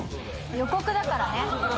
予告だからね。